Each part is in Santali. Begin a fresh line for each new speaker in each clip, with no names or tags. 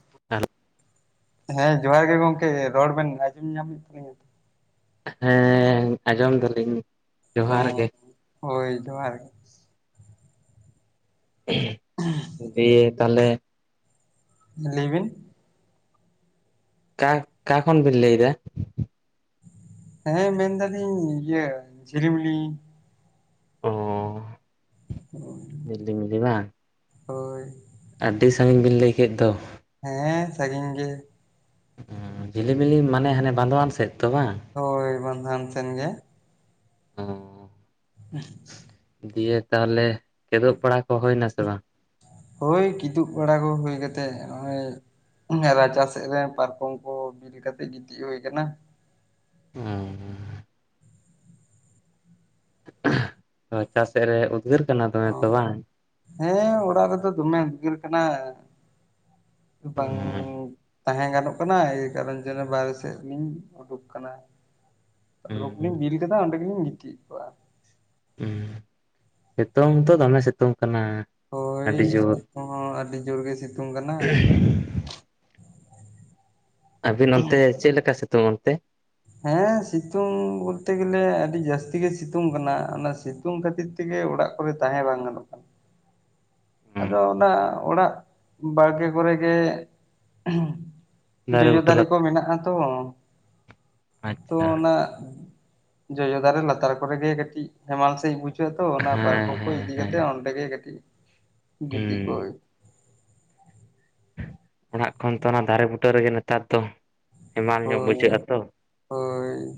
[unintelligible]
ᱦᱮᱸ ᱡᱚᱦᱟᱨ ᱜᱮ ᱜᱚᱝᱠᱮ ᱨᱚᱲ ᱵᱮᱱ ᱟᱸᱡᱚᱢ ᱧᱟᱢᱮᱫ ᱛᱟᱞᱤᱧᱟᱹ?
ᱦᱮᱸ ᱟᱸᱡᱚᱢ ᱮᱫᱟᱞᱤᱧ᱾
ᱚᱸ ᱦᱳᱭ ᱡᱚᱦᱟᱨ ᱜᱮ᱾
ᱫᱤᱭᱮ ᱛᱟᱦᱚᱞᱮ
ᱞᱮᱵᱤᱱ?
ᱚᱠᱟ ᱠᱷᱚᱱ ᱵᱤᱱ ᱞᱟᱹᱭ ᱮᱫᱟ?
ᱦᱮᱸ ᱢᱮᱱ ᱫᱟᱞᱤᱧ ᱤᱭᱟᱹ ᱡᱷᱤᱞᱤᱢᱤᱞᱤ᱾
ᱚ ᱡᱷᱤᱞᱤᱢᱤᱞᱤ ᱵᱟᱝ?
ᱦᱳᱭ᱾
ᱟᱹᱰᱤ ᱥᱟᱺᱜᱤᱧ ᱵᱤᱱ ᱞᱟᱹᱭ ᱠᱮᱫ ᱫᱚ?
ᱦᱮᱸ ᱥᱟᱺᱜᱤᱧ ᱜᱮ᱾
ᱡᱷᱤᱞᱤᱢᱤᱞᱤ ᱢᱟᱱᱮ ᱦᱟᱱᱮ ᱵᱟᱸᱫᱣᱟᱱ ᱥᱮᱫ ᱛᱚ ᱵᱟᱝ?
ᱦᱳᱭ ᱵᱟᱹᱫᱷᱣᱟᱱ ᱥᱮᱱ ᱜᱮ᱾
ᱚᱸ᱾
[unintelligible]
ᱫᱤᱭᱮ ᱛᱟᱦᱚᱞᱮ ᱠᱮᱫᱚᱜ ᱯᱟᱲᱟ ᱠᱚ ᱦᱩᱭ ᱱᱟ ᱥᱮ ᱵᱟᱝ?
ᱦᱳᱭ ᱠᱤᱫᱩᱵ ᱵᱟᱲᱟ ᱠᱚ ᱦᱩᱭ ᱠᱟᱛᱮᱫ ᱱᱚᱜᱼᱚᱭ ᱨᱟᱪᱟ ᱥᱮᱫ ᱨᱮ ᱯᱟᱨᱠᱚᱢ ᱠᱚ ᱵᱤᱞ ᱠᱟᱛᱮᱫ ᱜᱤᱛᱤᱡ ᱦᱩᱭ ᱟᱠᱟᱱᱟ᱾
ᱦᱮᱸ᱾ ᱦᱚ ᱨᱟᱪᱟ ᱥᱮᱫ ᱨᱮ ᱩᱫᱽᱜᱟᱹᱨ ᱠᱟᱱᱟ ᱫᱚᱢᱮ
ᱚ
ᱛᱚ ᱵᱟᱝ?
ᱦᱮᱸ ᱚᱲᱟᱜ ᱨᱮᱫᱚ ᱫᱚᱢᱮ ᱩᱫᱽᱜᱟᱨ ᱠᱟᱱᱟ ᱵᱟᱝ ᱛᱟᱦᱮᱸ ᱜᱟᱱᱚᱜ ᱠᱟᱱᱟ ᱮᱭ ᱠᱟᱨᱚᱱ ᱡᱮᱱᱚ ᱵᱟᱨᱦᱮ ᱥᱮᱫ ᱞᱤᱧ ᱩᱰᱩᱠ ᱟᱠᱟᱱᱟ᱾ ᱤᱧ ᱵᱤᱞ ᱠᱮᱫ ᱚᱸᱰᱮᱜᱤᱧ ᱜᱤᱛᱤᱡ ᱮᱱᱟ᱾
ᱦᱩᱸ ᱥᱤᱛᱩᱝ ᱦᱚᱛᱚ ᱫᱚᱢᱮ ᱥᱤᱛᱩᱝ ᱠᱟᱱᱟ᱾
ᱦᱳᱭ
ᱟᱹᱰᱤ ᱡᱳᱨ
ᱥᱤᱛᱩᱝ ᱦᱚᱸ ᱟᱹᱰᱤ ᱡᱳᱨ ᱜᱮ ᱥᱤᱛᱩᱝ ᱠᱟᱱᱟ᱾
ᱟᱵᱤᱱ ᱚᱱᱛᱮ ᱪᱮᱫ ᱞᱮᱠᱟ ᱥᱤᱛᱩᱝ ᱚᱱᱛᱮ?
ᱦᱮᱸ ᱥᱤᱛᱩᱝ ᱵᱚᱞᱛᱮ ᱜᱮᱞᱮ ᱟᱹᱰᱤ ᱡᱟᱹᱥᱛᱤ ᱜᱮ ᱥᱤᱛᱩᱝ ᱠᱟᱱᱟ᱾ ᱚᱱᱟ ᱥᱤᱛᱩᱝ ᱠᱷᱟᱹᱛᱤᱨ ᱛᱮᱜᱮ ᱚᱲᱟᱜ ᱠᱚᱨᱮ ᱛᱟᱦᱮᱸ ᱵᱟᱝ ᱜᱟᱱᱚᱜ ᱠᱟᱱᱟ᱾ ᱟᱫᱚ ᱚᱱᱟ ᱚᱲᱟᱜ ᱵᱟᱲᱜᱮ ᱠᱚᱨᱮ ᱜᱮ ᱡᱚᱡᱚ
ᱵᱩᱴᱟᱹ
ᱫᱟᱨᱮ
ᱞᱟ
ᱠᱚ ᱢᱮᱱᱟᱜᱼᱟ ᱛᱚ,
ᱟᱪᱪᱷᱟ
ᱚᱱᱟ ᱡᱚᱡᱚ ᱫᱟᱨᱮ ᱞᱟᱛᱟᱨ ᱠᱚᱨᱮ ᱜᱮ ᱠᱟᱹᱴᱤᱡ ᱦᱮᱢᱟᱞ ᱥᱟᱦᱤᱡ ᱵᱩᱡᱷᱟᱹᱜ ᱟ ᱛᱚ᱾ ᱚᱱᱟ
ᱦᱮᱸ
ᱯᱟᱨᱠᱚᱢ ᱠᱚ
ᱦᱮᱸ
ᱤᱫᱤ
ᱦᱮᱸ
ᱠᱟᱛᱮ ᱚᱱᱛᱮ ᱜᱮ ᱠᱟᱹᱴᱤᱡ ᱜᱤᱛᱤᱡ ᱠᱚᱜ
ᱦᱩᱸ ᱚᱲᱟᱜ ᱠᱷᱚᱱ ᱫᱚ ᱚᱱᱟ ᱫᱟᱨᱮ ᱵᱩᱴᱟᱹ ᱨᱮᱜᱮ ᱱᱮᱛᱟᱨ ᱫᱚ ᱦᱮᱢᱟᱞ ᱧᱚᱜ ᱵᱩᱡᱷᱟᱹᱜᱼᱟ
ᱦᱳᱭ
ᱛᱚ
ᱦᱳᱭ᱾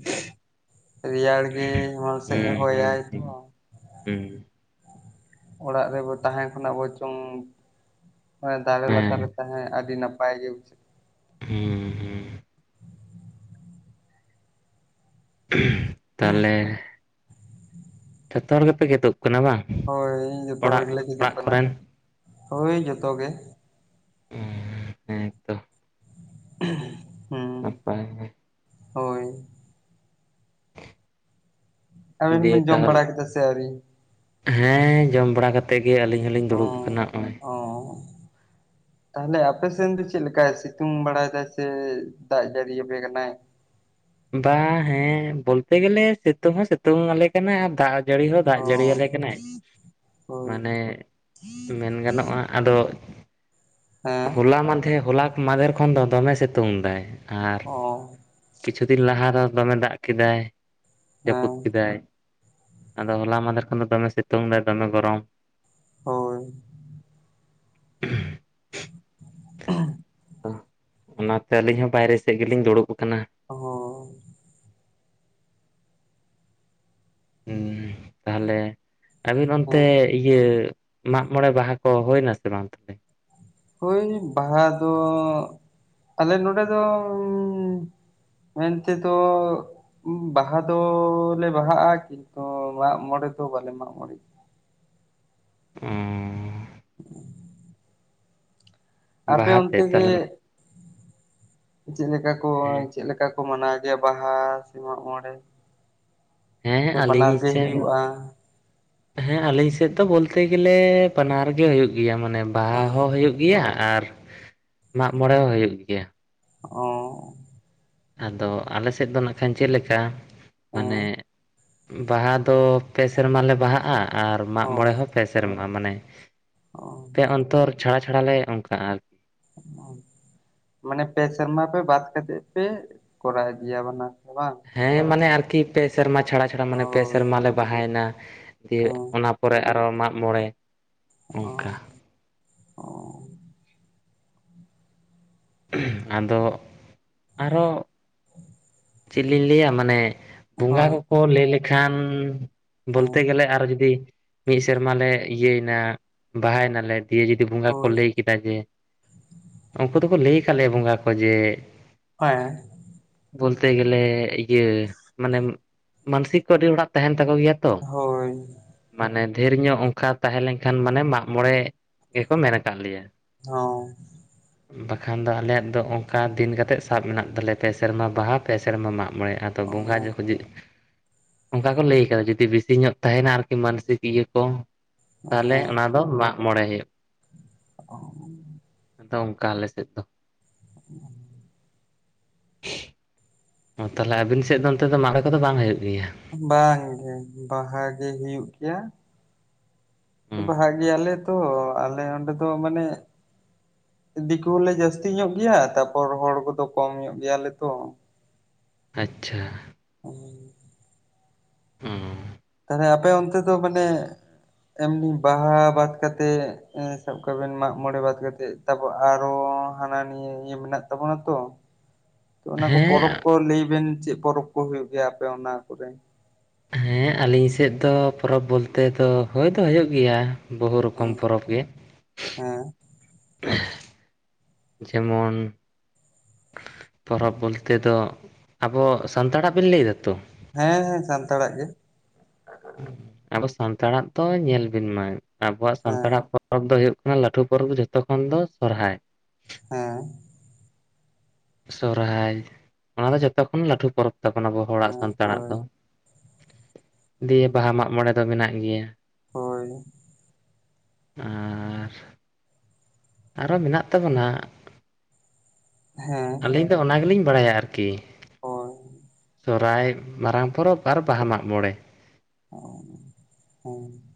ᱨᱮᱭᱟᱲ ᱜᱮ ᱦᱮᱢᱟᱞ
ᱦᱩᱸ
ᱥᱟᱦᱤᱡ
ᱦᱩᱸ
ᱦᱚᱭᱟᱭ ᱛᱚ᱾
ᱦᱩᱸ ᱦᱩᱸ᱾
ᱚᱲᱟᱜ ᱨᱮᱵᱚ ᱛᱟᱦᱮᱸ ᱠᱷᱱᱟᱡ ᱵᱚᱨᱪᱚᱝ ᱮ ᱫᱟᱨᱮ
ᱦᱮᱸ
ᱞᱟᱛᱟᱨ ᱨᱮ ᱛᱟᱦᱮᱸ, ᱟᱹᱰᱤ ᱱᱟᱯᱟᱭ ᱜᱮ ᱵᱩᱡᱷᱟᱹᱜᱼᱟ᱾
ᱦᱩᱸ ᱦᱩᱸ᱾ ᱛᱟᱦᱚᱞᱮ ᱡᱚᱛᱚ ᱦᱚᱲ ᱜᱮᱯᱮ ᱜᱮᱫᱚᱜ ᱠᱟᱱᱟ ᱵᱟᱝ?
ᱦᱳᱭ ᱡᱚᱛᱚ ᱦᱚᱲ
ᱚᱲᱟᱜ
ᱜᱮᱞᱮ ᱠᱮᱫᱩᱜ
ᱚᱲᱟᱜ
ᱠᱟᱱᱟ,
ᱠᱚᱨᱮᱱ
ᱦᱳᱭ ᱡᱚᱛᱚ ᱜᱮ᱾
ᱦᱩᱸ ᱦᱮᱸᱛᱚ᱾
[inaudible]
ᱱᱟᱯᱟᱭ ᱜᱮ
ᱦᱳᱭ᱾
ᱜᱮ
ᱟᱵᱤᱱ ᱫᱚ
ᱫᱤᱭᱮ
ᱵᱤᱱ ᱡᱚᱢ
ᱛᱟᱦᱚᱞᱮ
ᱵᱟᱲᱟ ᱠᱮᱫᱟ ᱥᱮ ᱟᱣᱨᱤ?
ᱦᱮᱸ ᱡᱚᱢ ᱵᱟᱲᱟ ᱠᱟᱛᱮᱫ ᱜᱮ ᱟᱹᱞᱤᱧ ᱦᱚᱞᱤᱧ ᱫᱩᱲᱩᱵ
ᱦᱚᱸ
ᱠᱟᱱᱟ, ᱱᱚᱜᱼᱚᱭ
ᱚ ᱛᱟᱦᱚᱞᱮ ᱟᱯᱮᱥᱮᱱ ᱫᱚ ᱪᱮᱫ ᱞᱮᱠᱟᱭ ᱥᱤᱛᱩᱝ ᱵᱟᱲᱟᱭ ᱫᱟᱭ ᱥᱮ ᱫᱟᱜ ᱡᱟᱹᱲᱤ ᱟᱯᱮ ᱠᱟᱱᱟᱭ?
ᱵᱟ ᱦᱮᱸ ᱵᱚᱞᱛᱮ ᱜᱮᱞᱮ ᱥᱤᱛᱩᱝ ᱦᱚᱸ ᱥᱤᱛᱩᱝ ᱟᱞᱮ ᱠᱟᱱᱟᱭ ᱟᱨ ᱫᱟᱜ ᱡᱟᱹᱲᱤ ᱦᱚᱸ ᱫᱟᱜ
ᱚ
ᱡᱟᱹᱲᱤᱭᱟ ᱞᱮ ᱠᱟᱱᱟᱭ᱾
ᱦᱳᱭ
ᱢᱟᱱᱮ ᱢᱮᱱ ᱜᱟᱱᱚᱜᱼᱟ, ᱟᱫᱚ
ᱦᱮᱸ᱾
ᱦᱚᱞᱟ ᱢᱟᱱᱫᱷᱮᱨ ᱦᱚᱞᱟ ᱢᱟᱱᱫᱷᱮᱨ ᱠᱷᱚᱱ ᱫᱚ ᱫᱚᱢᱮ ᱥᱤᱛᱩᱝ ᱫᱟᱭ ᱟᱨ
ᱚᱸ᱾
ᱠᱤᱪᱷᱩ ᱫᱤᱱ ᱞᱟᱦᱟ ᱨᱮ ᱫᱚᱢᱮ ᱫᱟᱜ ᱠᱮᱫᱟᱭ, ᱡᱟᱹᱯᱩᱫ
ᱦᱮᱸ
ᱠᱮᱫᱟᱭ ᱟᱫᱚ ᱦᱚᱞᱟ ᱢᱟᱱᱫᱷᱮᱨ ᱠᱷᱚᱱ ᱫᱚ ᱫᱚᱢᱮ ᱥᱤᱛᱩᱝ ᱫᱟᱭ, ᱫᱚᱢᱮ ᱜᱚᱨᱚᱢ
ᱦᱳᱭ᱾
[inaudible]
[inaudible]
ᱚᱱᱟ ᱛᱮ ᱟᱹᱞᱤᱧ ᱦᱚᱸ ᱵᱟᱭ ᱨᱮ ᱥᱮᱫ ᱜᱮᱞᱤᱧ ᱫᱩᱲᱩᱵ ᱟᱠᱟᱱᱟ᱾
ᱚᱸ᱾
ᱦᱩᱸ ᱛᱟᱦᱚᱞᱮ ᱟᱹᱵᱤᱱ ᱚᱱᱛᱮ ᱤᱭᱟᱹ ᱢᱟᱜ ᱢᱚᱬᱮ ᱵᱟᱦᱟ ᱠᱚ ᱦᱳᱭ ᱮᱱᱟ ᱥᱮ ᱵᱟᱝ ᱛᱟᱦᱚᱞᱮ?
ᱦᱳᱭ ᱵᱟᱦᱟ ᱫᱚ ᱟᱞᱮ ᱱᱚᱰᱮ ᱫᱚ ᱩᱸ ᱢᱮᱱᱛᱮ‌ ᱫᱚ ᱵᱟᱦᱟ ᱫᱚᱞᱮ ᱵᱟᱦᱟᱜᱼᱟ, ᱠᱤᱱᱛᱩ ᱢᱟᱜ ᱢᱚᱬᱮ ᱫᱚ ᱵᱟᱞᱮ ᱢᱟᱜ ᱢᱚᱬᱮᱜᱼᱟ᱾
ᱩᱸ ᱻ
[inaudible] ᱟᱯᱮ
ᱵᱟᱦᱟ ᱛᱮᱫ
ᱚᱱᱛᱮ ᱜᱮ
ᱛᱟᱦᱚᱞᱮ
ᱪᱮᱫ ᱞᱮᱠᱟ ᱠᱚ,
ᱦᱮᱸ
ᱪᱮᱫ ᱞᱮᱠᱟ ᱠᱚ ᱢᱟᱱᱟᱣ ᱜᱮᱭᱟ ᱵᱟᱦᱟ ᱥᱮ ᱢᱟᱜ ᱢᱚᱬᱮ?
ᱦᱮᱸ
ᱥᱮ ᱵᱟᱱᱟᱨ
ᱟᱹᱞᱤᱧ
ᱜᱮ
ᱥᱮᱱ
ᱦᱩᱭᱩᱜᱼᱟ
ᱦᱮᱸ ᱟᱞᱤᱧ ᱥᱮᱫ ᱫᱚ ᱵᱚᱞᱛᱮ ᱜᱮᱞᱮ ᱵᱟᱱᱟᱨ ᱜᱮ ᱦᱩᱭᱩᱜ ᱜᱮᱭᱟ᱾ ᱢᱟᱱᱮ ᱵᱟᱦᱟ ᱦᱚᱸ ᱦᱩᱭᱩᱜ ᱜᱮᱭᱟ᱾ ᱜᱮᱭᱟ ᱟᱨ ᱢᱟᱜ ᱢᱚᱬᱮ ᱦᱚᱸ ᱦᱩᱭᱩᱜ ᱜᱮᱭᱟ᱾
ᱚᱻ᱾
ᱟᱫᱚ ᱟᱞᱮ ᱥᱮᱫ ᱫᱚ ᱱᱟᱜ ᱠᱷᱟᱱ ᱪᱮᱫ ᱞᱮᱠᱟ
ᱦᱮᱸ
ᱢᱟᱱᱮ ᱵᱟᱦᱟ ᱫᱚ ᱯᱮ ᱥᱮᱨᱢᱟ ᱞᱮ ᱵᱟᱦᱟᱜᱼᱟ ᱟᱨ ᱢᱟᱜ ᱢᱚᱬᱮ ᱦᱚᱸ ᱯᱮ ᱥᱮᱨᱢᱟ ᱢᱟᱱᱮ
ᱦᱚᱸ
ᱯᱮ ᱚᱱᱛᱚᱨ ᱪᱷᱟᱲᱟ ᱪᱷᱟᱲᱟ ᱞᱮ ᱚᱱᱠᱟᱜᱼᱟ ᱟᱹᱨᱠᱤ᱾
ᱢᱟᱱᱮ ᱯᱮ ᱥᱮᱨᱢᱟ ᱯᱮ ᱵᱟᱫ ᱠᱟᱛᱮᱜ ᱯᱮ ᱠᱚᱨᱟᱣ ᱜᱮᱭᱟ ᱵᱟᱱᱟᱨ ᱵᱟᱝ?
ᱦᱮᱸ ᱢᱟᱱᱮ ᱟᱨᱠᱤ ᱯᱮ ᱥᱮᱨᱢᱟ ᱪᱷᱟᱲᱟ ᱪᱷᱟᱲᱟ, ᱢᱟᱱᱮ ᱯᱮ
ᱦᱳᱭ
ᱥᱮᱨᱢᱟ ᱞᱮ ᱵᱟᱦᱟᱭ ᱮᱱᱟ, ᱫᱤᱭᱮ
ᱦᱮᱸ
ᱚᱱᱟ ᱯᱚᱨᱮ ᱟᱨᱚ ᱢᱟᱜ ᱢᱚᱬᱮ, ᱚᱱᱠᱟ
ᱦᱳᱭ
ᱟᱫᱚ ᱟᱨᱚ ᱪᱮᱫ ᱞᱤᱧ ᱞᱟᱹᱭᱼᱟ? ᱢᱟᱱᱮ ᱵᱚᱸᱜᱟ
ᱦᱳᱭ
ᱠᱚᱠᱚ ᱞᱟᱹᱭ ᱞᱮᱠᱷᱟᱱ ᱵᱚᱞᱛᱮ ᱜᱮᱞᱮ ᱟᱨᱚ ᱡᱩᱫᱤ ᱢᱤᱫ ᱥᱮᱨᱢᱟ ᱞᱮ ᱤᱭᱟᱹᱮᱱᱟ ᱵᱟᱦᱟᱭ ᱱᱟᱞᱮ ᱫᱤᱭᱮ ᱡᱩᱫᱤ ᱵᱚᱸᱜᱟ ᱠᱚ
ᱦᱳᱭ
ᱞᱟᱹᱭ ᱠᱮᱫᱟ ᱡᱮ ᱩᱱᱠᱩ ᱫᱚᱠᱚ ᱞᱟᱹᱭ ᱟᱠᱟᱫ ᱞᱮᱭᱟ ᱵᱚᱸᱜᱟ ᱠᱚ ᱡᱮ
ᱚᱸ-ᱮᱸᱻ ᱾
ᱵᱚᱞᱛᱮ ᱜᱮᱹᱞᱮ ᱤᱭᱟᱹ ᱢᱟᱱᱮ ᱢᱟᱱᱥᱤᱠ ᱠᱚ ᱟᱹᱰᱤ ᱦᱚᱲᱟᱜ ᱛᱟᱦᱮᱸᱱ ᱛᱟᱠᱚ ᱜᱮᱭᱟ ᱾
ᱦᱳᱭ ᱾
ᱢᱟᱱᱮ ᱰᱷᱮᱨ ᱧᱚᱜ ᱚᱱᱠᱟ ᱛᱟᱦᱮᱸ ᱞᱮᱱᱠᱷᱟᱱ ᱢᱟᱱᱮ ᱢᱟᱜᱢᱚᱬᱮ ᱜᱮᱠᱚ ᱢᱮᱱ ᱠᱟᱜ ᱞᱮᱭᱟ ᱾
ᱦᱚᱸᱻ ᱾
ᱵᱟᱠᱷᱟᱱ ᱫᱚ ᱟᱞᱮᱭᱟᱜ ᱫᱚ ᱚᱱᱠᱟ ᱫᱤᱱ ᱠᱟᱛᱮᱫ ᱥᱟᱵ ᱢᱮᱱᱟᱜ ᱛᱟᱞᱮᱭᱟ ᱯᱮ ᱥᱮᱨᱢᱟ ᱵᱟᱦᱟ ᱯᱮ ᱥᱮᱨᱢᱟ ᱢᱟᱜ ᱢᱚᱬᱮᱜ ᱟᱫᱚ ᱵᱚᱸᱜᱟ
ᱚᱸ
ᱡᱚᱠᱷᱚᱜ ᱡᱷ ᱚᱱᱠᱟ ᱠᱚ ᱞᱟᱹᱭ ᱠᱟᱫᱟ ᱡᱩᱫᱤ ᱵᱮᱥᱤ ᱧᱚᱜ ᱛᱟᱦᱮᱸᱱᱟ ᱟᱨᱠᱤ ᱢᱟᱱᱚᱥᱤᱠ ᱤᱭᱟᱹ ᱠᱚ ᱛᱟᱞᱦᱮ ᱚᱱᱟ ᱫᱚ, ᱢᱟᱜ ᱢᱚᱬᱮ ᱦᱳᱭᱳᱜ ᱾
ᱤᱥ-ᱥ-ᱥ-ᱥ, ᱴᱷᱚ-ᱠᱟᱜ-ᱩᱸᱝ ᱾
ᱛᱚ, ᱚᱱᱠᱟ ᱟᱞᱮ ᱥᱮᱫ ᱫᱚ ᱾
ᱤᱥ-ᱥ-ᱥ-ᱴᱷᱚᱜ-ᱟᱢ-ᱤᱥ-ᱥ-ᱥ ᱾
ᱪᱷᱤᱻ ᱾ ᱚ ᱛᱟᱞᱦᱮ ᱟᱵᱤᱱ ᱥᱮᱫ ᱫᱚ ᱚᱱᱛᱮ ᱫᱚ ᱢᱟᱨᱮ ᱠᱚᱫᱚ ᱵᱟᱝ ᱦᱳᱭᱳᱜ ᱜᱮᱭᱟ ᱾
ᱵᱟᱝ ᱜᱮ, ᱵᱟᱦᱟ ᱜᱮ ᱦᱩᱭᱩᱜ ᱜᱮᱭᱟ ᱾
ᱦᱩᱸ
ᱵᱟᱦᱟᱜ ᱜᱮᱭᱟᱞᱮ ᱛᱚ ᱟᱞᱮ ᱚᱸᱰᱮ ᱫᱚ ᱢᱟᱱᱮ ᱫᱤᱠᱩ ᱦᱚᱲᱞᱮ ᱡᱟᱹᱥᱛᱤ ᱧᱚᱜ ᱜᱮᱭᱟ ᱛᱟᱯᱚᱨ ᱦᱚᱲ ᱠᱚᱫᱚ ᱠᱚᱢ ᱧᱚᱜ ᱜᱮᱭᱟᱞᱮ ᱛᱚ ᱾
ᱟᱪ-ᱪᱷᱟᱻ
ᱴᱷᱚᱜ ᱾
ᱦᱩᱹ
ᱛᱟᱞᱦᱮ, ᱟᱯᱮ ᱚᱱᱛᱮ ᱫᱚ ᱢᱟᱱᱮ ᱮᱢᱱᱤ ᱵᱟᱦᱟ ᱵᱟᱫ ᱠᱟᱛᱮᱜ ᱮᱸ ᱥᱟᱵ ᱠᱟᱜ ᱵᱮᱱ ᱢᱟᱜ ᱢᱚᱬᱮ ᱵᱟᱫ ᱠᱟᱛᱮᱜ ᱛᱟᱯᱚᱨ ᱟᱨᱚ ᱦᱟᱱᱟ ᱱᱤᱭᱟᱹ ᱤᱭᱟᱹ ᱢᱮᱱᱟᱜ ᱛᱟᱵᱚᱱᱟ ᱛᱚ ᱾
ᱻ
ᱛᱚ ᱚᱱᱟ ᱠᱚ ᱯᱚᱨᱚᱵᱽ ᱠᱚ ᱞᱟᱹᱭ ᱵᱮᱱ ᱪᱮᱫ ᱯᱚᱨᱚᱵᱽ ᱠᱚ ᱦᱳᱭᱳᱜ ᱜᱮᱭᱟ ᱟᱯᱮ ᱚᱱᱟ ᱠᱚᱨᱮ?
ᱦᱮᱸ, ᱟᱹᱞᱤᱧ ᱥᱮᱫ ᱫᱚ ᱯᱚᱨᱚᱵᱽ ᱵᱚᱞᱛᱮᱹ ᱫᱚ ᱦᱳᱭ ᱫᱚ ᱦᱳᱭᱳᱜ ᱜᱮᱭᱟ ᱾ ᱵᱚᱦᱩ ᱨᱚᱠᱚᱢ ᱯᱚᱨᱚᱵᱽ ᱜᱮ ᱾
ᱮᱸᱻ ᱾
ᱢᱮᱹᱻ ᱾ ᱡᱮᱢᱚᱱᱻ ᱾ ᱥᱚᱲᱚᱜ ᱯᱚᱨᱚᱵᱽ ᱵᱚᱞᱛᱮᱹᱫᱚ ᱟᱵᱚ ᱥᱟᱱᱛᱟᱲ ᱟᱜ ᱵᱮᱱ ᱞᱟᱹᱭᱫᱟ ᱛᱚ?
ᱦᱮᱸ ᱦᱮᱸ, ᱥᱟᱱᱛᱟᱲᱟᱜ ᱜᱮ, ᱾
ᱩᱹ, ᱟᱵᱚ ᱥᱟᱱᱛᱟᱲᱟᱜ ᱛᱚ ᱧᱮᱞ ᱵᱤᱱ ᱢᱟ, ᱟᱵᱚᱣᱟᱜ
ᱦᱮᱸ
ᱥᱟᱱᱛᱟᱲᱟᱜ ᱯᱚᱨ ᱯᱚᱨᱚᱵᱽ ᱫᱚ ᱦᱳᱭᱳᱜ ᱠᱟᱱᱟ ᱞᱟᱹᱴᱩ ᱯᱚᱨᱚᱵᱽ ᱫᱚ ᱡᱚᱛᱚ ᱠᱷᱚᱱ ᱫᱚ ᱥᱚᱨᱦᱟᱭ ᱾
ᱦᱮᱸ ᱾
ᱥᱚᱨᱦᱟᱭ, ᱚᱱᱟ ᱫᱚ ᱡᱚᱛᱚ ᱠᱷᱚᱱ ᱞᱟᱹᱴᱩ ᱯᱚᱨᱚᱵᱽ ᱛᱟᱵᱚᱱ ᱟᱵᱚ ᱦᱚᱲᱟᱜ
ᱦᱮᱸ
ᱥᱟᱱᱛᱟᱲᱟᱜ
ᱦᱳᱭ
ᱫᱚ ᱾ ᱫᱤᱭᱮ, ᱵᱟᱦᱟ ᱢᱟᱜ ᱢᱚᱬᱮ ᱫᱚ ᱢᱮᱱᱟᱜ ᱜᱮᱭᱟ ᱾
ᱦᱳᱭᱻ ᱾
ᱟ-ᱨ-ᱨᱜ ᱟᱨᱚ ᱢᱮᱱᱟᱜ ᱛᱟᱵᱚᱱᱟ,
ᱦᱮᱸ
ᱟᱹᱞᱤᱧ ᱫᱚ ᱚᱱᱟ ᱜᱮᱞᱤᱧ ᱵᱟᱲᱟᱭ ᱟ ᱟᱨᱠᱤ ᱾
ᱦᱳᱭ ᱾
ᱥᱚᱨᱦᱟᱭ ᱢᱟᱨᱟᱝ ᱯᱚᱨᱚᱵᱽ ᱟᱨ ᱵᱟᱦᱟ ᱢᱟᱜ ᱢᱚᱬᱮ ᱾
ᱥᱚᱸᱲᱚᱸᱜ-ᱳᱸᱝ ᱾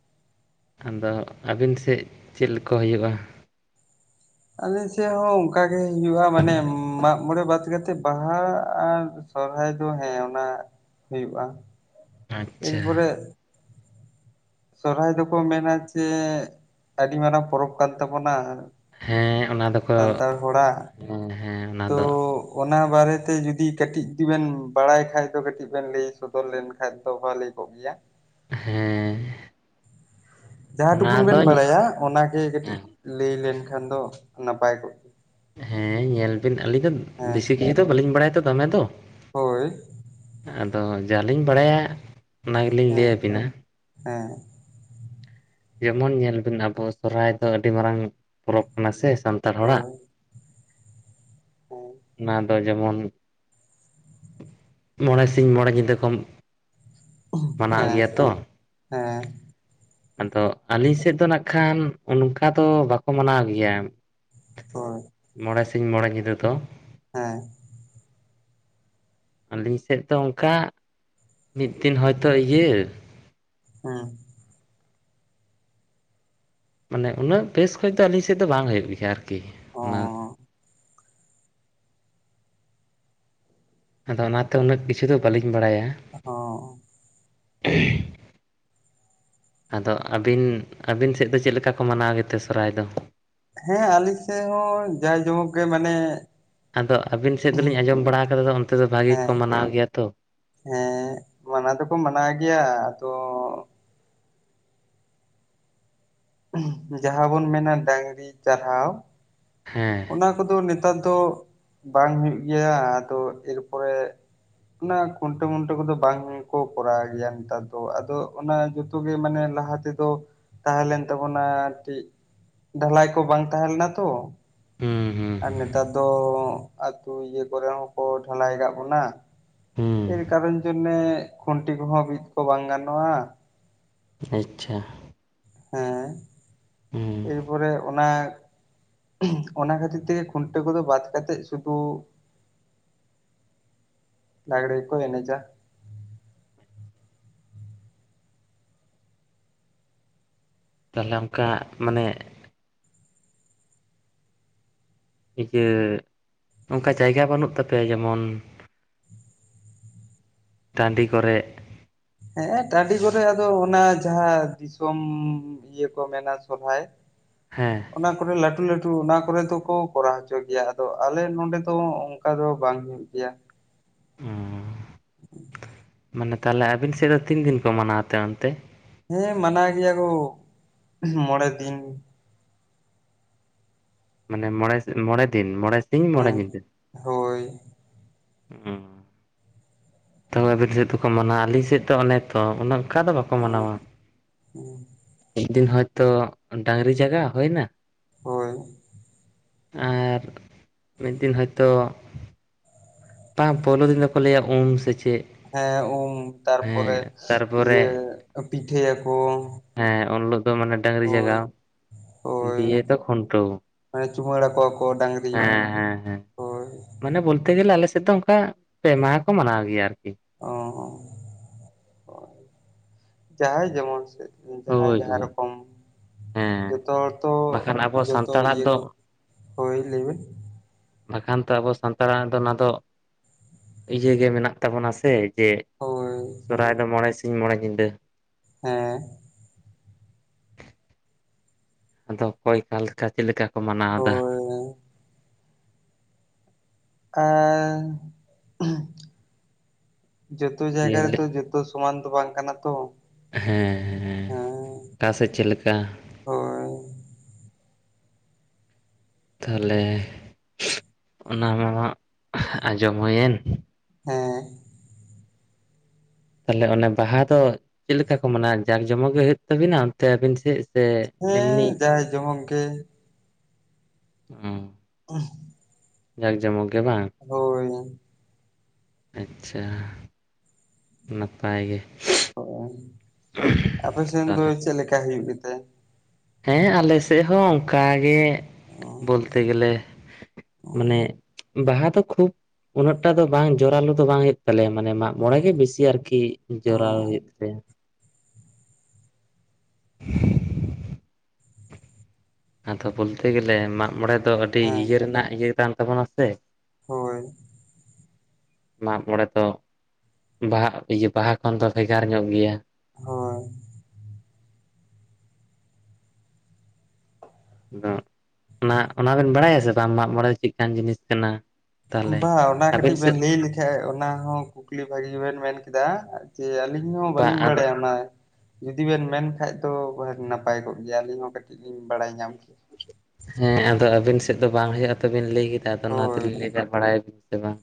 ᱟᱫᱚ ᱟᱵᱤᱱ ᱥᱮᱫ ᱪᱮᱞ ᱠᱚ ᱦᱳᱭᱳᱜᱼᱟ?
ᱟᱞᱮ ᱥᱮᱫ ᱦᱚᱸ ᱚᱱᱠᱟ ᱜᱮ ᱦᱩᱧᱩᱜᱼᱟ ᱢᱟᱱᱮ ᱢᱟᱜ ᱢᱚᱬᱮ ᱵᱟᱫ ᱠᱟᱛᱮᱫ ᱵᱟᱦᱟ ᱟᱨ ᱥᱚᱨᱦᱟᱭ ᱫᱚ ᱦᱮᱸ ᱚᱱᱟ ᱦᱩᱭᱩᱜᱼᱟ ᱾
ᱟᱪᱷᱟ
ᱥᱚᱨᱚᱦᱟᱭ ᱫᱚᱠᱚ ᱢᱮᱱᱟ ᱡᱮ ᱟᱹᱰᱤ ᱢᱟᱨᱟᱝ ᱯᱚᱨᱚᱵᱽ ᱠᱟᱱ ᱛᱟᱵᱚᱱᱟ᱾
ᱦᱮᱸ ᱚᱱᱟ ᱫᱚᱠᱚ
ᱥᱟᱱᱛᱟᱲ ᱦᱚᱲᱟᱜ
ᱦᱮᱸ ᱦᱮᱸ ᱚᱱᱟ
ᱛᱚ
ᱫᱚ
ᱚᱱᱟ ᱵᱟᱨᱮ ᱛᱮ ᱡᱩᱫᱤ ᱠᱟᱹᱴᱤᱡ ᱡᱤ ᱵᱮᱱ ᱵᱟᱲᱟᱭ ᱠᱷᱟ ᱫᱚ ᱠᱟᱹᱴᱤᱡ ᱵᱮᱱ ᱞᱟᱹᱭ ᱥᱚᱫᱚᱨ ᱞᱮᱱ ᱠᱷᱟᱱ ᱫᱚ ᱵᱷᱟᱞᱤ ᱠᱚᱜᱭᱟ
ᱦᱮᱸ
ᱡᱟᱦᱟᱸ
ᱚᱱᱟ
ᱴᱩᱠᱩᱱ ᱵᱮᱱ
ᱫᱚ
ᱵᱟᱲᱟᱭᱟ ᱚᱱᱟᱜᱮ ᱠᱟᱹᱴᱤᱡ
ᱦᱮᱸ
ᱞᱟᱹᱭ ᱞᱮᱱᱠᱷᱟᱱ ᱫᱚ ᱱᱟᱯᱟᱭ ᱠᱚᱜᱼᱟ᱾
ᱦᱮᱸ ᱧᱮᱞ ᱵᱤᱱ ᱟᱹᱞᱤᱧ ᱫᱚ
ᱦᱮᱸ
ᱵᱮᱥᱤ ᱠᱤᱪᱷᱩ ᱫᱚ ᱵᱟᱹᱞᱤᱧ ᱵᱟᱲᱟᱭᱟ ᱛᱚ ᱫᱚᱢᱮ ᱫᱚ᱾
ᱦᱳᱭ
ᱟᱫᱚ ᱡᱟᱞᱤᱧ ᱵᱟᱲᱟᱭᱟ ᱚᱱᱟ ᱜᱮᱞᱤᱧ ᱞᱟᱹᱭ
ᱦᱮᱸ
ᱟᱵᱤᱱᱟ᱾
ᱦᱮᱸ
ᱡᱮᱢᱚᱱ ᱧᱮᱞᱵᱤᱱ ᱟᱵᱚ ᱥᱚᱨᱦᱟᱭ ᱫᱚ ᱟᱹᱰᱤ ᱢᱟᱨᱟᱝ ᱯᱚᱨᱚᱵᱽ ᱠᱟᱱᱟ ᱥᱮ᱾ ᱥᱟᱱᱛᱟᱲ ᱦᱚᱲᱟᱜ
ᱦᱳᱭ
ᱚᱱᱟ ᱫᱚ ᱡᱮᱢᱚᱱ ᱢᱚᱬᱮ ᱥᱤᱧ ᱢᱚᱬᱮ ᱧᱤᱫᱟᱹ ᱠᱷᱚᱱ
ᱦᱮᱸ ᱦᱮᱸ
ᱟᱫᱚ ᱟᱹᱞᱤᱧ ᱥᱮᱫ ᱫᱚ ᱱᱟᱜ ᱠᱷᱟᱱ ᱚᱱᱠᱟ ᱫᱚ ᱵᱟᱠᱚ ᱢᱟᱱᱟᱣ ᱜᱮᱭᱟ᱾
ᱦᱮᱸ
ᱢᱚᱬᱮ ᱥᱤᱧ ᱢᱚᱬᱮ ᱧᱤᱫᱟᱹ ᱫᱚ
ᱦᱮᱸ
ᱟᱹᱞᱤᱧ ᱥᱮᱫ ᱫᱚ ᱚᱱᱠᱟ ᱢᱤᱫ ᱫᱤᱱ ᱦᱚᱭᱛᱚ ᱤᱭᱟᱹ
ᱦᱮᱸ
ᱢᱟᱱᱮ ᱩᱱᱟᱹᱜ ᱵᱮᱥ ᱠᱷᱚᱱ ᱫᱚ ᱟᱹᱞᱤᱧ ᱥᱮᱫ ᱫᱚ ᱵᱟᱝ ᱦᱩᱭᱩᱜ ᱜᱮᱭᱟ ᱟᱨᱠᱤ
ᱚ
ᱚᱱᱟ ᱟᱫᱚ ᱚᱱᱟᱛᱮ ᱩᱱᱟᱹᱜ ᱠᱤᱪᱷᱩ ᱫᱚ ᱵᱟᱹᱞᱤᱧ ᱵᱟᱲᱟᱭᱟ᱾
ᱚ
ᱟᱫᱚ ᱟᱹᱵᱤᱱ ᱟᱹᱵᱤᱱ ᱥᱮᱫ ᱫᱚ ᱪᱮᱫ ᱞᱮᱠᱟ ᱠᱚ ᱢᱟᱱᱟᱣ ᱜᱮᱛᱮ ᱥᱚᱨᱟᱭ ᱫᱚ᱾
ᱦᱮᱸ ᱟᱞᱤᱧ ᱥᱮᱫ ᱦᱚᱸ ᱢᱟᱛᱠᱚᱢ ᱚᱠᱟ ᱜᱮ ᱢᱟᱱᱮ
ᱟᱫᱚ ᱟᱵᱤᱱ ᱥᱮᱫ ᱫᱚᱞᱤᱧ ᱟᱸᱡᱚᱢ ᱵᱟᱲᱟ ᱟᱠᱟᱫᱟ ᱚᱱᱛᱮ ᱫᱚ ᱵᱷᱟᱜᱤ ᱠᱚ
ᱦᱮᱸ
ᱢᱟᱱᱟᱣ ᱜᱮᱭᱟ ᱛᱚ ᱟᱫᱚ
ᱦᱮᱸ ᱢᱟᱱᱟᱣ ᱫᱚ ᱠᱚ ᱢᱟᱱᱟᱣ ᱜᱮᱭᱟ ᱟᱫᱚ ᱡᱟᱦᱟᱸ ᱵᱚᱱ ᱢᱮᱱᱟ ᱰᱟᱝᱨᱤ ᱪᱟᱨᱦᱟᱣ
ᱦᱮᱸ
ᱚᱱᱟ ᱠᱚᱫᱚ ᱱᱮᱛᱟᱨ ᱫᱚ ᱵᱟᱝ ᱦᱩᱭᱩᱜ ᱜᱮᱭᱟ ᱟᱫᱚ ᱮᱨ ᱯᱚᱨᱮ ᱚᱱᱟ ᱠᱷᱩᱱᱴᱟᱹᱣ ᱢᱩᱱᱴᱟᱹᱣ ᱠᱚᱫᱚ ᱵᱟᱝ ᱠᱚ ᱠᱚᱨᱟᱣ ᱜᱮᱭᱟ ᱱᱮᱛᱟᱨ ᱫᱚ ᱟᱫᱚ ᱚᱱᱟ ᱡᱤ [unintelligible] [unintelligible] ᱜᱮ ᱢᱟᱱᱮ ᱞᱟᱦᱟ ᱛᱮ ᱫᱚ ᱛᱟᱦᱮᱸ ᱞᱮᱱ ᱛᱟᱵᱚᱱᱟ ᱟᱨᱠᱤ ᱰᱷᱟᱞᱟᱭ ᱠᱚ ᱵᱟᱝ ᱛᱟᱦᱮᱸ ᱞᱮᱱᱟ ᱛᱚ
ᱦᱩᱸ ᱦᱩᱸ
ᱟᱨ ᱱᱮᱛᱟᱨ ᱫᱚ ᱟᱹᱛᱩ ᱤᱭᱟᱹ ᱠᱚᱨᱮ ᱦᱚᱸ ᱠᱚ ᱰᱷᱟᱞᱟᱭ ᱠᱟᱜ ᱵᱚᱱᱟ ᱮᱨ
ᱦᱩᱸ
ᱠᱟᱨᱚᱱ ᱡᱚᱱᱱᱮ ᱠᱷᱩᱱᱴᱤ ᱠᱚ ᱦᱚᱸ ᱵᱤᱫ ᱠᱚ ᱵᱟᱝ ᱜᱟᱱᱚᱜᱼᱟ᱾
ᱟᱪᱪᱷᱟ
ᱦᱮᱸ
ᱦᱩᱸ
ᱮᱨᱯᱚᱨᱮ ᱚᱱᱟ ᱚᱱᱟ ᱠᱷᱟᱹᱛᱤᱨ ᱛᱮ ᱜᱮ ᱠᱷᱩᱱᱴᱟᱹᱣ ᱠᱚ ᱫᱚ ᱵᱟᱫ ᱠᱟᱛᱮᱫ ᱥᱩᱫᱩ ᱞᱟᱝᱜᱽᱲᱮ ᱠᱚ ᱮᱱᱮᱡᱟ᱾
ᱛᱟᱦᱚᱞᱮ ᱚᱱᱠᱟ ᱢᱟᱱᱮ ᱤᱭᱟᱹ ᱚᱱᱠᱟ ᱡᱟᱭᱜᱟ ᱵᱟᱹᱱᱩᱜ ᱛᱟᱯᱮᱭᱟ ᱡᱮᱢᱚᱱ ᱴᱟᱺᱰᱤ ᱠᱚᱨᱮᱜ
ᱦᱮᱸ ᱴᱟᱺᱰᱤ ᱠᱚᱨᱮ ᱟᱫᱚ ᱚᱱᱟ ᱡᱟᱦᱟᱸ ᱫᱤᱥᱚᱢ ᱤᱭᱟᱹ ᱠᱚ ᱢᱮᱱᱟ ᱥᱚᱦᱨᱟᱭ
ᱦᱮᱸ᱾
ᱚᱱᱟ ᱠᱚᱨᱮ ᱞᱟᱹᱴᱩ ᱞᱟᱹᱴᱩ ᱚᱱᱟ ᱠᱚᱨᱮ ᱫᱚ ᱠᱚ ᱠᱚᱨᱟᱣ ᱦᱚᱪᱚ ᱜᱮᱭᱟ, ᱟᱫᱚ ᱟᱞᱮ ᱱᱚᱰᱮ ᱫᱚ ᱚᱝ ᱠᱟ ᱫᱚ ᱵᱟᱝ ᱦᱩᱭᱩᱜ ᱜᱮᱭᱟ᱾
ᱚ, ᱢᱟᱱᱮ ᱛᱟᱦᱚᱞᱮ ᱟᱹᱵᱤᱱ ᱥᱮᱫ ᱫᱚ ᱛᱤᱱ ᱫᱤᱱ ᱠᱚ ᱢᱟᱱᱟᱣ ᱛᱮ ᱚᱱᱛᱮ?
ᱦᱮᱸ ᱢᱟᱱᱟᱣ ᱜᱮᱭᱟ ᱠᱚ ᱢᱚᱬᱮ ᱫᱤᱱ᱾
ᱢᱟᱱᱮ ᱢᱚᱬᱮ ᱢᱚᱬᱮ ᱫᱤᱱ, ᱢᱚᱬᱮ ᱥᱤᱧ ᱢᱚᱬᱮ
ᱦᱮᱸ ᱦᱳᱭ᱾
ᱚ᱾ ᱛᱚ ᱟᱹᱵᱤᱱ ᱥᱮᱫ ᱫᱚᱠᱚ ᱢᱟᱱᱟᱣᱟ, ᱟᱹᱞᱤᱧ ᱥᱮᱫ ᱫᱚ ᱚᱱᱮ ᱛᱚ ᱚᱱᱮ ᱚᱝᱠᱟ ᱫᱚ ᱵᱟᱠᱚ
ᱚ
ᱢᱟᱱᱟᱣᱟ᱾ ᱢᱤᱫ ᱫᱤᱱ ᱦᱚᱭᱛᱚ ᱰᱟᱝᱨᱤ ᱡᱟᱜᱟᱣ ᱦᱩᱭᱱᱟ,
ᱦᱳᱭ᱾
ᱟᱨ ᱢᱤᱫ ᱫᱤᱱ ᱦᱚᱭᱛᱳ ᱵᱟᱝ ᱯᱳᱭᱞᱳ ᱫᱤᱱ ᱫᱚᱠᱚ ᱞᱟᱹᱭᱟ ᱩᱢ ᱥᱮ ᱪᱮᱫ,
ᱦᱮᱸ ᱩᱢ ᱛᱟᱨᱯᱚᱨᱮ
ᱦᱮᱸ ᱛᱟᱨᱯᱚᱨᱮ
ᱤᱭᱟᱹ ᱯᱤᱴᱷᱟᱹᱭᱟᱠᱚ᱾
ᱦᱮᱸ ᱩᱱ ᱦᱤᱞᱳᱚᱜ ᱫᱚ ᱢᱟᱱᱮ ᱰᱟᱝᱨᱤ
ᱦᱳᱭ
ᱡᱟᱜᱟᱣ
ᱦᱳᱭ
ᱫᱤᱭ ᱛᱚ ᱠᱷᱩᱱᱴᱟᱹᱣ
ᱢᱟᱱᱮ ᱪᱩᱢᱟᱹᱲᱟ ᱠᱚᱣᱟ ᱠᱚ ᱰᱟᱝᱨᱤ
ᱦᱮᱸ ᱦᱮᱸ ᱦᱮᱸ᱾
ᱦᱳᱭ
ᱢᱟᱱᱮ ᱵᱚᱞᱛᱮ ᱜᱮᱞᱮ ᱟᱞᱮ ᱥᱮᱫ ᱫᱚ ᱚᱝᱠᱟ ᱯᱮ ᱢᱟᱦᱟ ᱠᱚ ᱢᱟᱱᱟᱣ ᱜᱮᱭᱟ ᱟᱨᱠᱤ᱾
ᱚ ᱡᱟᱦᱟᱸᱭ ᱡᱮᱢᱚᱱ ᱥᱮᱫ᱾ ᱡᱟᱦᱟᱸᱭ
ᱦᱳᱭ
ᱡᱟᱦᱟᱸ
ᱦᱳᱭ
ᱨᱚᱠᱚᱢ
ᱦᱮᱸ
ᱡᱚᱛᱚ ᱦᱚᱲ ᱛᱚ
ᱵᱟᱠᱷᱟᱱ ᱟᱵᱚ
ᱡᱚᱛᱚ
ᱥᱟᱱᱛᱟᱲᱟᱜ
ᱤᱭᱟᱹ
ᱫᱚ
ᱠᱚ ᱦᱳᱭ ᱞᱟᱹᱭᱵᱮᱱ᱾
ᱵᱟᱠᱷᱟᱱ ᱛᱚ ᱟᱵᱚ ᱥᱟᱱᱛᱟᱲᱟᱜ ᱫᱚ ᱚᱱᱟ ᱫᱚ ᱤᱭᱟᱹᱜᱮ ᱢᱮᱱᱟᱜ ᱛᱟᱵᱚᱱᱟ ᱥᱮ᱾ ᱡᱮ
ᱦᱳᱭ
ᱥᱚᱦᱨᱟᱭ ᱫᱚ ᱢᱚᱬᱮ ᱥᱤᱧ ᱢᱚᱬᱮ ᱧᱤᱫᱟᱹ
ᱦᱮᱸ᱾
ᱟᱫᱚ ᱚᱠᱚᱭ ᱚᱠᱟ ᱞᱮᱠᱟ ᱪᱮᱫ ᱞᱮᱠᱟ ᱠᱚ ᱢᱟᱱᱟᱣ ᱫᱟ᱾
ᱦᱮᱸ᱾ ᱟᱨ ᱡᱚᱛᱚ ᱡᱟᱭᱜᱟ ᱨᱮ
ᱡᱮᱞᱮ
ᱛᱚ ᱡᱚ ᱛᱚ ᱥᱚᱢᱟᱱ ᱫᱚ ᱵᱟᱝ ᱠᱟᱱᱟ ᱛᱚ᱾
ᱦᱮᱸ ᱦᱮᱸ ᱚᱠᱟ ᱥᱮᱫ ᱪᱮᱫ ᱞᱮᱠᱟ
ᱦᱳᱭ
ᱛᱟᱦᱚᱞᱮ ᱚᱱᱟ ᱢᱟᱦᱟᱸᱜ ᱟᱸᱡᱚᱢ ᱦᱩᱭᱮᱱ,
ᱦᱮᱸ᱾
ᱛᱟᱦᱚᱞᱮ ᱚᱱᱮ ᱵᱟᱦᱟ ᱫᱚ ᱪᱮᱫ ᱞᱮᱠᱟ ᱠᱚ ᱢᱟᱱᱟᱣᱟ, ᱡᱟᱠᱼᱡᱚᱢᱚᱠ ᱜᱮ ᱦᱩᱭᱩᱜ ᱛᱟᱵᱤᱱᱟ ᱚᱱᱛᱮ ᱟᱵᱤᱱ ᱥᱮᱫ? ᱥᱮ
ᱦᱮᱸ
ᱮᱢᱱᱤ
ᱡᱟᱭ ᱡᱚᱢᱚᱠ ᱜᱮ
ᱚᱸ᱾
[inaudible]
ᱡᱟᱠᱼᱡᱚᱢᱚᱠ ᱜᱮ ᱵᱟᱝ?
ᱦᱳᱭ᱾
ᱟᱪᱪᱷᱟ᱾ ᱱᱟᱯᱟᱭ ᱜᱮ᱾
ᱦᱳᱭ, ᱟᱯᱮ ᱥᱮᱱ ᱫᱚ
ᱛᱟᱦᱚᱞᱮ
ᱪᱮᱫ ᱞᱮᱠᱟ ᱦᱩᱭᱩᱜ ᱜᱮᱛᱮ?
ᱦᱮᱸ ᱟᱞᱮ ᱥᱮᱫ ᱦᱚᱸ ᱚᱱᱠᱟ ᱜᱮ᱾ ᱵᱚᱛᱮ ᱜᱮᱞ ᱢᱟᱱᱮ ᱵᱟᱦᱟ ᱫᱚ ᱠᱷᱩᱵᱽ ᱩᱱᱟᱹᱜ ᱴᱟ ᱫᱚ ᱵᱟᱝ ᱡᱚᱨᱟᱞᱳ ᱫᱚ ᱵᱟᱝ ᱦᱩᱭᱩᱜ ᱛᱟᱞᱮᱭᱟ ᱢᱟᱱᱮ ᱢᱟᱜᱽ ᱢᱚᱬᱮ ᱜᱮ ᱵᱮᱥᱤ ᱟᱨᱠᱤ ᱡᱚᱨᱟᱞᱳ ᱦᱩᱭᱩᱜ ᱛᱟᱭᱟ᱾ [inaudible] ᱟᱫᱚ ᱵᱚᱞᱛᱮ ᱜᱮᱞᱮ ᱢᱟᱜᱽ-ᱢᱚᱬᱮ ᱫᱚ ᱟᱹᱰᱤ
ᱦᱮᱸ
ᱤᱭᱟᱹ ᱨᱮᱱᱟᱜ ᱤᱭᱟᱹ ᱠᱟᱱ ᱛᱟᱵᱚᱱᱟ ᱥᱮ,
ᱦᱳᱭ
ᱢᱟᱜᱽ-ᱢᱚᱲᱮ ᱛᱚ ᱵᱟᱦᱟ ᱤᱭᱟᱹ ᱵᱟᱦᱟ ᱠᱷᱚᱱ ᱫᱚ ᱵᱷᱮᱜᱟᱨ ᱧᱚᱜ ᱜᱮᱭᱟ᱾
ᱦᱳᱭ
ᱟᱫᱚ ᱚᱱᱟ ᱚᱱᱟ ᱵᱮᱱ ᱵᱟᱲᱟᱭᱟ ᱥᱮ ᱵᱟᱝ ᱢᱟᱜᱽ ᱢᱚᱬᱮ ᱫᱚ ᱪᱮᱫ ᱞᱮᱠᱟᱱ ᱡᱤᱱᱤᱥ ᱠᱟᱱᱟ?
ᱚᱠᱩ
ᱛᱟᱦᱚᱞᱮ
ᱵᱟ ᱚᱱᱟ
ᱟᱵᱮᱱ
ᱠᱟᱹᱴᱤᱡ ᱵᱮᱱ
ᱥᱮᱫ
ᱞᱟᱹᱭ ᱞᱮᱠᱷᱼᱼ ᱷᱟᱡ ᱚᱱᱟ ᱦᱚᱸ ᱠᱩᱠᱞᱤ ᱵᱷᱟᱹᱜᱤ ᱵᱮᱱ ᱢᱮᱱ ᱠᱮᱫᱟ ᱡᱮ ᱟᱹᱞᱤᱧ ᱦᱚᱸ
ᱵᱟ
ᱵᱟᱹᱞᱤᱧ
ᱟᱫᱚ
ᱵᱟᱲᱟᱭᱟ ᱚᱱᱟᱼᱼ ᱡᱩᱫᱤ ᱵᱮᱱ ᱢᱮᱱ ᱠᱷᱟᱡ ᱫᱚ ᱱᱟᱯᱟᱭ ᱠᱚᱜ ᱜᱮᱭᱟ ᱟᱹᱞᱤᱧ ᱦᱚᱸ ᱠᱟᱹᱴᱤᱡ ᱞᱤᱧ ᱵᱟᱲᱟᱭ ᱧᱟᱢ ᱠᱮᱭᱟ᱾
ᱦᱮᱸ ᱟᱫᱚ ᱟᱹᱵᱤᱱ ᱥᱮᱫ ᱫᱚ ᱵᱟᱝ ᱦᱩᱭᱩᱜ-ᱟ ᱛᱚᱵᱤᱱ ᱞᱟᱹᱭ ᱠᱮᱫᱟ, ᱟᱫᱚ ᱚᱱᱟ
ᱦᱳᱭ
ᱛᱮᱞᱤᱧ ᱞᱟᱹᱭ ᱮᱫᱟ ᱡᱮ ᱵᱟᱲᱟᱭ ᱟᱹᱵᱤᱱ ᱥᱮ ᱵᱟᱝ?